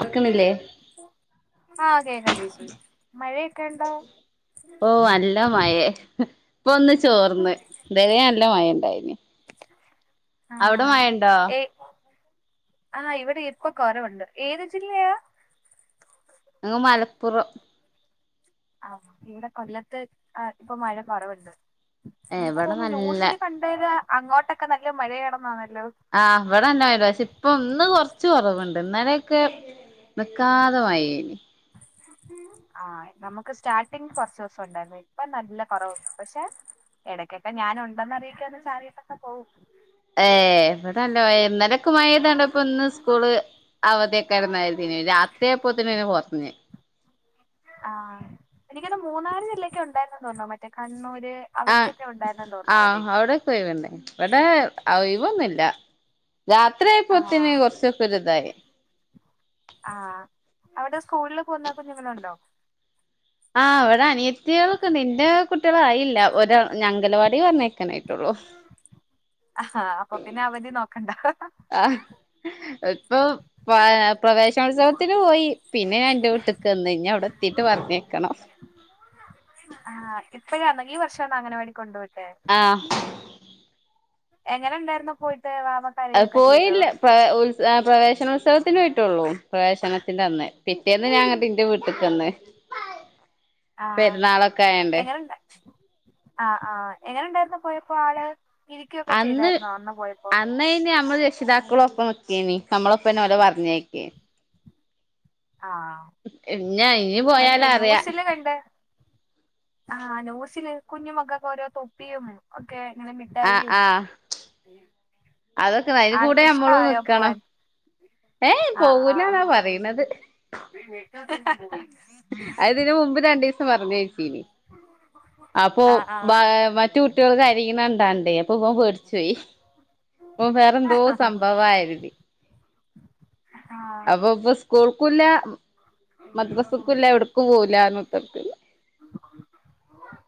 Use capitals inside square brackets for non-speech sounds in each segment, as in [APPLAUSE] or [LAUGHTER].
ആക്ക്ണില്ലേ ആ കേക്കാം ചേച്ചി മഴയൊക്കെ ഉണ്ടോ ഓ നല്ല മഴേ ഇപ്പൊ ഒന്ന് ചോർന്ന് ഇതരേ നല്ല മഴേനി അവ്ടെ മഴണ്ടോ ആ ഇവിടെ ഇപ്പൊ കൊറവുണ്ട് ഏത് ജില്ലയാ ഞങ്ങ മലപ്പുറം ആ ഇവിടെ കൊല്ലത്ത് ഇപ്പൊ മഴ കൊറവുണ്ട് ഏ എനിക്ക് ഇവിടെ തോന്നുന്ന് നല്ല ന്യൂസില് കണ്ടീനെ അങ്ങോട്ടൊക്കെ നല്ല മഴയാണെന്നാണ് ആ ഇവിടെണ്ടായിനി പക്ഷെ ഇപ്പം ഇന്ന് കൊർച്ച് കൊറവ് ണ്ട് ഇന്നലൊക്കെ നിക്കാത മഴയ്യേനി ആ നമ്മക്ക് സ്റ്റാർട്ടിങ് കൊറച്ച് ദിവസം ഉണ്ടായിരുന്നു ഇപ്പൊ നല്ല കുറവുണ്ട് പക്ഷെ എടക്കൊക്കെ ഞാൻ ഉണ്ടെന്നറിയിക്കാന് ചാറീട്ടൊക്കെ പോവും ഏ ഇവിടല്ല മഴേനി ഇന്നലൊക്കെ മഴെയ്താണ്ട് ഇപ്പൊ ഇന്ന് സ്കൂള് അവധേക്കാരന്നാ കരുത്യേ രാത്രിയായപ്പോത്ത്ന് കൊർഞ്ഞ് ആ എനിക്കോന്ന്ണ് മൂന്നാല് ജില്ലയൊക്കെ ഉണ്ടായിരുന്നു തോന്ന്ണ് മറ്റേ കണ്ണൂ ആ ആ അവിടെക്കൊയിവിണ്ടേനി ഇവിടെ ഒയിവൊന്നുല്ല രാത്രിയായിപ്പോത്തിന് കുറച്ചക്കൊരിതായി ആ അവിടെ സ്കൂളില് പോകുന്ന കുഞ്ഞുങ്ങളുണ്ടോ ആ ഇവിടെ അനിയത്ത്യാളൊക്കെണ്ട് ഇന്റെ കുട്ട്യാളായില്ല ഒരാൾ അൻഗലവാടി പറഞ്ഞയക്കാനായി ട്ടൊള്ളൂ അ ഹാ അപ്പൊ പിന്നെ അവധി നോക്കണ്ട ആഹ് ഇപ്പൊ പ പ്രവേശനോത്സവത്തിന് പോയി പിന്നെ ഞാൻ ഇന്റെ വീട്ട്ക്ക് വന്ന് ഇഞ്ഞവ്ടെ എത്തീട്ട് പറഞ്ഞയക്കണം ആ ഇപ്പഴാണൊ ഈ വർഷാണൊ അൻഗലവാടി കൊണ്ട് വി ആഹ് എങ്ങനെ ഉണ്ടാര്ന്നു പോയി അത് പോയില്ല പ്ര ഉത്സ ആ പ്രവേശനോത്സവ ത്തിനോയിട്ടൊള്ളൂ പ്രവേശനത്തിന്റന്ന് പിറ്റേന്ന് ഞാൻ ഇങ്ങട്ട് ഇന്റെ വീട്ട്ക്കന്ന് പെരുന്നാളൊക്കെ ആയോണ്ട് ആ ആഹ് എങ്ങനണ്ടായിരുന്നു പോയപ്പോ ആള് ഇരിക്കൊക്കെ അന്ന് ചെയ്തായിരുന്നോ അന്ന് പോയപ്പോ അന്ന് അയിന് നമ്മള് രക്ഷിതാക്കള് ഒപ്പം നി ക്കേനി നമ്മളൊപ്പന്നെ ഓലെ പറഞ്ഞയക്കേ ആഹ് ഇഞ്ഞ ഇഞ്ഞ് മറ്റേ പോയാലറിയാ ന്യൂസില് കണ്ട് ആഹ് ന്യൂസില് കുഞ്ഞുമക്കക്ക് ഓരോ തൊപ്പിയും ഒക്കെ ഇങ്ങനെ ആ മിഠായിയും ആ അതൊക്കെ അതിന് കൂടെ ആൾക്ക് നമ്മളും ഇഷ്ടായോ നിക്കണം പോവാൻ ഏഹേ പോകുലാന്നാ പറിണത് അഅഅ അത് ഇതിന് മുമ്പ് രണ്ടിസം പറഞ്ഞേ ട്ടീനി അപ്പൊ ബാ ആഹ് മറ്റേ കുട്ടികൾ കരിണത്കണ്ടാണ്ടെ പ്പ ബൻ പേടിച്ച് പോയി അപ്പോ ഓൻ വേറെന്തോ ആഹ് സംഭവാ കരുതി ആഹ് അപ്പൊ ഇപ്പൊ സ്കൂൾക്കുല്ല മദ്രസക്കുല്ല എവിട്ക്കും പോകൂലർഞ് കുത്തർക്ക്ണ്ട്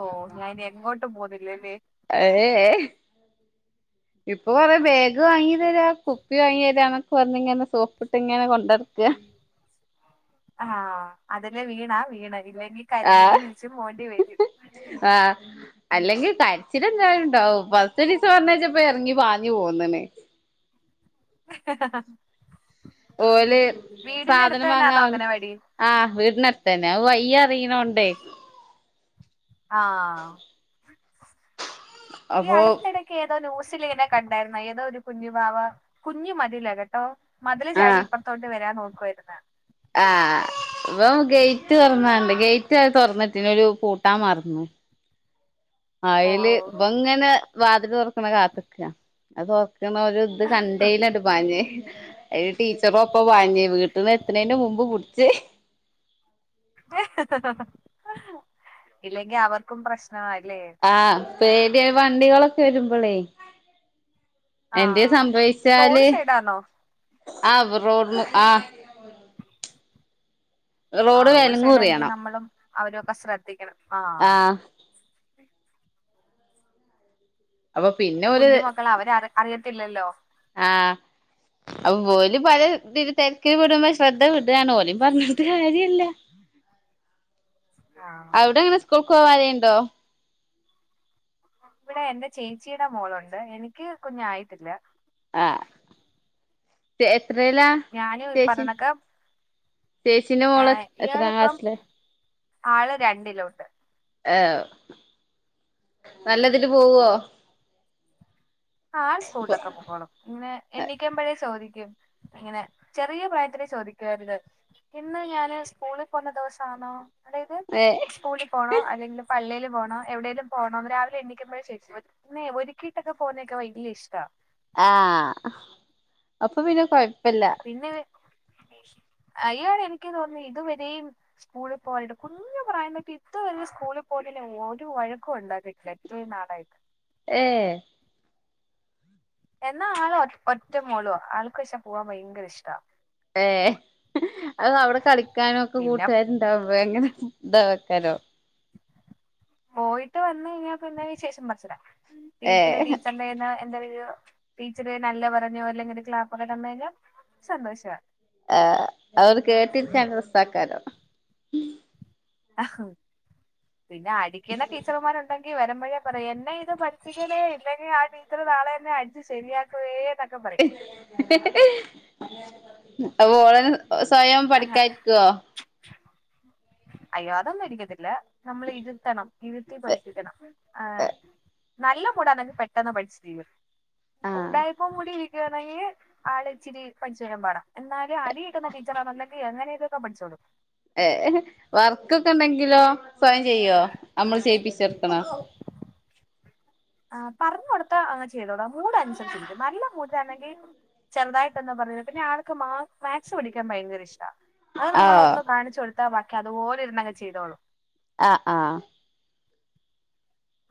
ഓ ഞാ ഇനി എങ്ങോട്ടും പോകുന്നില്ലല്ലേ എ ഏയേ ഉ ഇപ്പൊ കൊറെ ബാഗ് വാങ്ങി തരാ കുപ്പി വാങ്ങി തരാന്നൊക്കെ പറഞ്ഞിങ്ങനെ സോപ്പിട്ട് ഇങ്ങനെ കൊണ്ട് നടക്കാ ആഹ് അതില് വീണ വീണ് ഇല്ലെങ്കി കരഞ്ഞും ആഹ് വിളിച്ചും പോണ്ടി വരും ആഹ് അല്ലെങ്കി കരച്ചിൽ എന്തായാലും ഉണ്ടാവും ഫസ്റ്റ് ദിവസം പറഞ്ഞയച്ചപ്പം ഇറങ്ങി പാഞ്ഞു പോന്ന്ണ് അ അ അ ഓല് സാധനം വാങ്ങാ തന്നാന്നോ അംഗനവാടി ആ വീട്ടിനടുത്തെന്നെ അത് വയ് അറിണതേണ്ട് ആ ഈ അപ്പൊ അടുത്തിടക്ക് ഏതോ ന്യൂസിലെക്കെ കണ്ടായിരുന്ന ഏതോ ഒരു കുഞ്ഞു വാവ കുഞ്ഞു മതില കേട്ടോ മതില് ചാടി ഇപ്പുറത്തോട്ട് വരാൻ നോക്കുവായിരുന്നേ ആ ഇവൻ ഗേറ്റ് തുറന്നണ്ട് ഗേറ്റ് തുറന്നിട്ടിന് ഓല് പൂട്ടാൻ മറന്നു ഓ അയില് ഇവന് ഇങ്ങനെ വാതില് തുറക്കുന്നത് കാത്ത്ക്ക്യാ അത് ഒരു ഇത് കണ്ടെയിലാണ്ട്പ്പാഞ്ഞ അത് ടീച്ചറോ ഒപ്പ വാഞ്ഞേ വീട്ടന്ന് എത്തണെന്റെ മുമ്പ് പിടിച്ച് ഇല്ലെങ്കിൽ അവർക്കും പ്രശ്നല്ലേ പേടി വണ്ടികളൊക്കെ വരുമ്പോളേ എന്തെ ആഹ് റോഡ് സംഭവിച്ചാല് സൈഡാന്നോ ആ റോഡ് ആ ആ റോഡ് സൈഡ് ആണെങ്കി നമ്മളും അവരൊക്കെ ശ്രദ്ധിക്കണം ആ ആഹ് അപ്പൊ പിന്നെ കുഞ്ഞു മക്കൾ അവര് അറിയത്തില്ലല്ലോ ആ അപ്പൊ ഓലും പല ഇ തിരക്കില് വിടുമ്പോ ശ്രദ്ധ വിടുകാണ് ഓലും പറഞ്ഞിട്ട് കാര്യല്ല ഉം അവിടെങ്ങനെ സ്കൂൾക്ക് പോവാനാ രോലേുണ്ടോ ഇവിടെ എന്റെ ചേച്ചിയുടെ മോളുണ്ട് എനിക്ക് കുഞ്ഞായിട്ടില്ല ആ എത്രല ഞാനും ഈ ചേച്ചി പറഞ്ഞൊക്കെ ചേച്ചിന്റെ മോള് എത്ര ഇയാളിപ്പം ക്ലാസിലാ ആള് രണ്ടിലോട്ട് ഏ നല്ലതില് പോവോ ആ സ്കൂളിലൊക്കെ പോക്കോളും പിന്നെ എണ്ണിക്കാുമ്പോഴേ ചോദിക്കും ഇങ്ങനെ ചെറിയ പ്രായത്തിലെ ചോദിക്കരുന്നു ഇന്ന് ഞാന് സ്കൂളിൽ പോന്ന ദിവസണോ അതായത് ഏഹ് സ്കൂളിൽ പോണോ അല്ലെങ്കിൽ പള്ളിയിൽ പോണോ എവിടെലും പോണോന്ന് രാവിലെ എണിക്കുമ്പോയെ ചോദിക്കു ഒരുക്കിട്ടൊക്കെ പോകുന്നേക്കെ വലിയ ഇഷ്ടാ ആ അപ്പൊ പിന്നെ കൊഴപ്പില്ല അയ്യൾ എനിക്ക് തോന്നി ഇതുവരെയും സ്കൂളിൽ പോവാനായിട്ട് കുഞ്ഞുപ്രായതെട്ട് ഇതു സ്കൂളിൽ പോവാനായിട്ട് ഒരു വഴക്കും ഉണ്ടാക്കിട്ടില്ല ഇത്ര നാളായിട്ട് ഏ എന്നാ ആള് ഒ ഒറ്റ മോളോ ആൾക്ക പക്ഷേ പോവാാൻ ഭയങ്കര ഇഷ്ട ഏ അത് അവിടെ കളിക്കാനും ഒക്കെ പിന്നെ കൂട്ടുകാരുണ്ടാവേ അങ്ങനെ ഇ- തരോ പോയിട്ട് വന്ന് കഴിഞ്ഞാൽ പിന്നെ വിശേഷം പറച്ചില പീപ്പിലെ ഏഹ് ടീച്ചറിന്റെ കൈയ്യിന്ന് എന്താ ഒരു ടീച്ചർ നല്ല പറഞ്ഞോ അല്ലെങ്കൽ ഒരു ക്ലാപ്പൊക്കെ തന്ന് കഴിഞ്ഞാ സന്തോഷമാ ആ അവര് കേട്ടിട്ട് ഞങ്ങൾ ഉണ്ടാക്കാല്ലോ പിന്നെ അടിക്കുന്ന ടീച്ചർമാരുണ്ടെങ്കി വരമ്പ- ഉപ്പഴെ പറയാ എന്നെ ഇത് പഠിക്കണ ഇല്ലെങ്കിൽ ആ ടീച്ചർ നാളെ എന്നെ അടിച്ച് ശരിയാക്കുവേ എന്നൊക്കെ പറയും അപ്പ ഓള് തന്നെ സ്വയം പഠിക്കായിരിക്കുവോ അയ്യോ അതൊന്നും ഇരിക്കത്തില്ല നമ്മൾ ഇരുത്തണം ഇരുത്തി പഠിപ്പിക്കണം നല്ല മൂടാണെങ്കി പെട്ടെന്ന് പഠിച്ചി തീരും ആഹ് ഉണ്ടായപ്പോ കൂടി ഇരിക്കുവാരുന്നു ആള് ഇച്ചിരി പടിച്ച് വരാൻ പാടാ എന്നാലും അടി കിട്ടുന്ന കിട്ടുന്ന ടീച്ചറാണെങ്കി എങ്ങനെലുമൊക്കെ പഠിച്ചോളും ഏ വർക്കൊക്കെ ഉണ്ടെങ്കിലോ സ്വയം ചെയ്യുവോ നമ്മള് ചെയ്യിപ്പിച്ച് നിർത്തണോ ആ പറഞ്ഞു കൊടുത്താ അങ്ങ് ചെയ്തോളും മൂട് അനുസരിച്ചിരിക്കും നല്ല മൂടിലാണെങ്കിൽ ചെറുതായിട്ടൊന്നാ പറയുന്നത് പിന്നെയാൾക്ക് മാ മാത്സ് പഠിക്കാൻ ഭയങ്കര ഇഷ്ടം ആ നമ്മളൾ ആഹ് ഒന്നും കാണിച്ചു കൊടുത്താ ബാക്കി അതുപോലെ ഇരുന്നങ്ങ് ചെയ്തോളും ആ ആ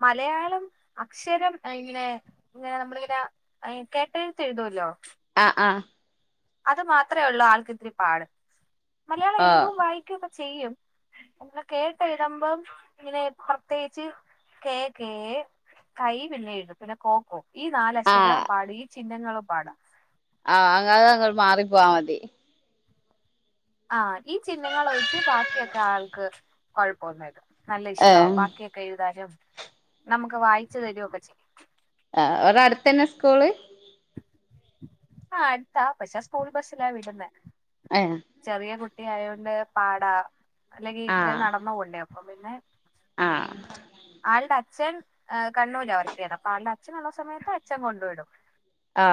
മലയാളം അക്ഷരം ഇങ്ങനെ നമ്മളിങ്ങനെ കേട്ടഴുത്ത് എഴുതുമല്ലോ ആഹ് അത് മാത്രമേ ഉള്ളൂ ആൾക്ക് ഇത്തിരി പാട് മലയാളം ആഹ് എഴുതും വായിക്കുമൊക്ക ചെയ്യും അങ്ങെനെ കേട്ട് എഴുതുമ്പം ഇങ്ങനെ പ്രത്യേകിച്ച് കേ കേ കൈ പിന്നെയഴുതും പിന്നെ കോ ക്കോ ഈ നാല ആഹ് അക്ഷരം പാട ഈ ചിഹ്നും പാടാ ആ അങ്ങത അങ്ങനെ മാറിപ്പോവാ മതി ആ ഈ ചിഹ്നങ്ങളൊഴിച്ച് ബാക്കിയൊക്കെ ആൾക്ക് കൊഴപ്പമെന്നൂല്ല നല്ല ഇഷ്ടമാ ഏഹ് ബാക്കിയൊക്കെ എഴുതാനും നമുക്ക് വായിച്ചു തരുമൊക്കെ ചെയ്യും ആ അവിടെ അടുത്തന്നെ സ്കൂള് ആ അടുത്താ പക്ഷെ സ്കൂൾ ബസിലാ വിടുന്ന ഏഹ് ചെറിയ കുട്ട- കുട്ടിയായോണ്ട് പാട അല്ലെങ്കിൽ ഇത്രയും നടന്നു പോണ്ടേ അപ്പൊ പിന്നെ ആ ആളുടെ അച്ഛൻ കണ്ണൂരാ വർക്ക് ചെയ്യണ അപ്പൊ ആളുടെ അച്ഛൻ ഉള്ള സമയത്ത് അച്ഛൻ കൊണ്ടു വിടും ആ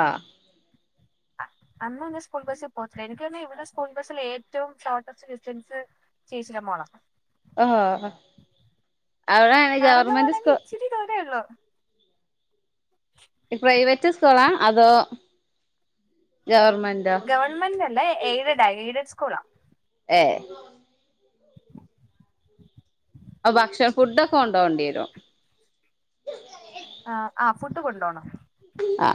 ആ അന്നൊന്നും സ്കൂൾ ബസ്സിൽ പോത്തില്ല എനിക്ക് തന്ന ഇവിടെ സ്കൂൾ ബസിൽ ഏറ്റവും ഷോർട്ടസ്റ്റ് ഡിസ്റ്റൻസ് ചേച്ചിടെ മോളാ ഓഹോ അവിടൊയാണ് നടന്നു ഗവർമെന്റ് പോകണമെങ്കിൽ സ്ക- ഇച്ചിരി ദൂരേ ഉള്ളൂ ഗവൺമെന്റ് ഗവണ്മെന്റ് അല്ലേ എയ്ഡ് ആ എയ്ഡഡ് സ്കൂളാ ഏ അപ്പ ഭക്ഷണം ഫുഡ് ഒക്കെ കൊണ്ട് പോകണ്ടി വരുവോ ആ ആ ഫുഡ് കൊണ്ടുപോണം ആ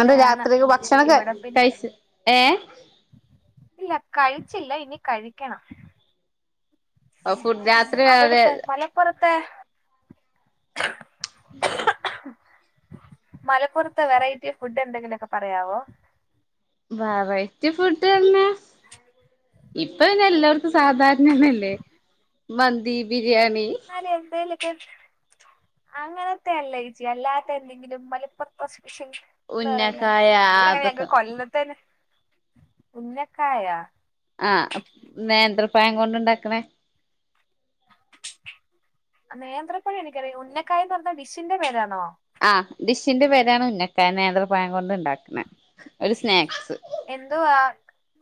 എന്നിട്ട് രാത്രി ഭക്ഷണം ഇവിടെ പിന്നെ കഴിച്ചു ഏ ഇല്ല കഴിച്ചില്ല ഇനി കഴിക്കണം ഫുഡ് രാത്രി വേറെ അവിടത്തെ മലപ്പുറത്തെ മലപ്പുറത്തെ വെറൈറ്റി ഫുഡ് എന്തെങ്കിലുമൊക്കെ പറയാവോ വ വൈറ്റ് ഫുഡ് തന്നെ ഇപ്പ പിന്നെ എല്ലാവർക്കും സാധാരണതന്നല്ലേ മന്തി ബിരി- ബിരിയാണി എന്നാലും എന്തെങ്കിലുമൊക്കെ അങ്ങനത്തെ അല്ലയ്ചി അല്ലാതെ എന്തെങ്കിലും മലപ്പതാസ് [UNINTELLIGIBLE] ന്ന് പറയുന്ന ഉന്നക്കായ ഇവിടെ അങ്ങനെ ഞങ്ങക്ക് അതൊക്കെ കൊല്ലത്തേനെ ഉന്നക്കായ ആഹ് അപ് നേന്ത്രപഴം കൊണ്ടുണ്ടാക്ണേ നേന്ത്രപഴം എനിക്കറിയാം ഉന്നക്കായന്ന് പറഞ്ഞാ ഡിഷിന്റെ പേരാണോ ആഹ് ഡിഷിന്റെ പേരാണ് ഉന്നക്കായ നേന്ത്രപയം കൊണ്ട് ഉണ്ടാക്കണേ എന്തുവാ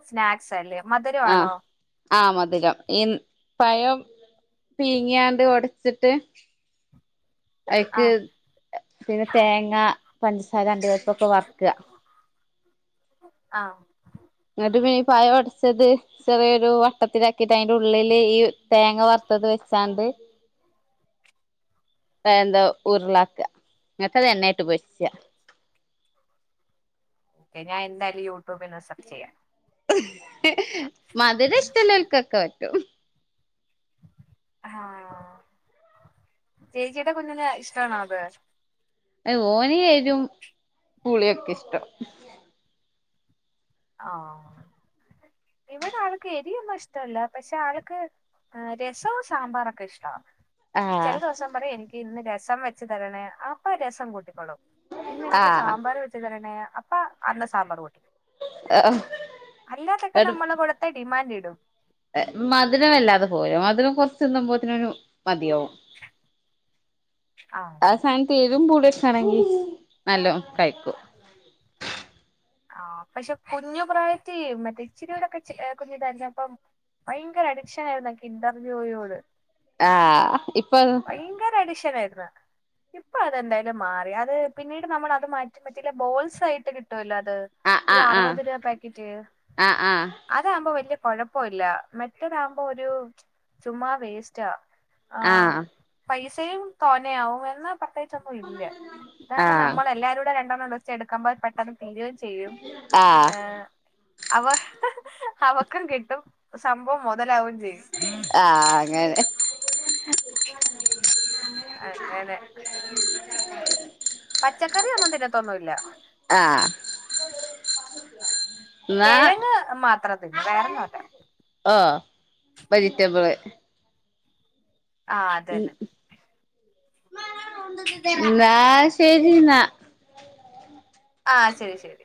സ്നാക്സ് അല്ലേ മധുരവാണോ? ആഹ് മധുരം ഈ പയം പീങ്ങിയാണ്ട് ഒടച്ചിട്ട്. ആയിക്ക് ആഹ് പിന്നെ തേങ്ങ പഞ്ചസാര അണ്ടിപരിപ്പൊക്കെ വർക്കുക ആ എങ്ങട്ട് പീ പയം ഉടച്ചത് ചെറിയൊരു വട്ടത്തിലാക്കിട്ട് അയന്റെ ഉള്ളില് ഈ തേങ്ങ വർ മുത്തത് വെച്ചാണ്ട് എഹ് എന്താ ഉരുളാക്ക ന്നട്ട് അത് എണ്ണേട്ട് പോരിക്ക്യ. ഓക്കെ ഞാൻ എന്തായാലും യൂട്യൂബന്ന് സെർച്ച് ചെയ്യാം. മതുരഷ്ടല്ലോൽക്കൊക്ക പറ്റും. ആഹ് ചേച്ചിട്ടാ കുഞ്ഞ് ഇഷ്ടണോ അത് ഏഹ് ഓന് എരുവും പുളിയൊക്കെ ഇഷ്ടം. ആ ഇവിടെ ആൾക്ക് എരിയുന്നും ഇഷ്ടവല്ല പക്ഷെ ആൾക്ക് ആ രസവും സാമ്പാറൊക്കെ ഇഷ്ടവാ ചെല ആഹ് ദിവസം പറയും എനിക്ക് ഇന്ന് രസം വെച്തരണേ അപ്പാ രസം കൂട്ടിക്കോളും. ഇന്നെനിക്ക് ആഹ് സാമ്പാർ വെച്ചതരണേ അപ്പാ അന്ന് സാമ്പാർ കുട്ടി അല്ലാതൊക്കെ നമ്മളെ കൊടുത്തെ ഡിമാന്റ് ഇടു. മധുരംമല്ലാതെ പോല്ലും മധുരം കൊറച്ച് തിന്നുമ്പോതന്നെരു മതിയോ ആഹ് സാൻത്ത് ഏരുവും പൂളിയും ഓക്കെണെങ്കി നല്ലോം കഴിക്കും. ആഹ് പക്ഷെ കുഞ്ഞു പ്രായത്തി മറ്റേ ഇച്ചിരിയോടൊക്കെ ച് എഹ് കുഞ്ഞ് കരഞ്ഞപ്പം ഭയങ്കര അഡിക്ഷനായിരുന്നു കിന്റർജോയിയോട് ആഹ് ഇപ്പൊ ഭയങ്കര അഡിഷനായിരുന്നു. ഇപ്പൊ അതെന്തായാലും മാറി. അത് പിന്നീട് നമ്മള്ളത് മാറ്റി പറ്റില്ല ബോൾസ് ആയിട്ട് കിട്ടുവല്ലോ ത് ആഹ് ഒരു ആഹ് ആറുപത്ത് രൂപ പാക്കറ്റ് ആഹ് ആഹ് കൊഴപ്പല്ല മറ്റതാവുമ്പോ ഒരു ചുമ്മാ വേസ്റ്റാ ആഹ് പൈസയും തോന്നേയാവും എന്നാ [UNINTELLIGIBLE] ച്ചൊന്നുയില്ലാ ഇതാവുമ്പോ ആഹ് നമ്മളെല്ലാരൂടെ രണ്ടണ്ണം വച്ച് എടുക്കമ്പോ പെട്ടെന്ന് തിരേം ചെയ്യും ആഹ് ഏ ആഹ് അവ അവക്കും കിട്ടും സംഭവം മൊതലാവേം ആഹ് അങ്ങനെ പച്ചക്കറിയൊന്നും തിന്നത്തൊന്നുല്ലാ ആ ന്നാ കിഴങ്ങ് മാത്രം തിന്നും വേറൊന്നുല്ല ഓഹ് വെജിറ്റബിള് ആഹ് അതന്നെ ഇന്നാ ശെരി ഇന്നാ ആ ശെരി ശെരി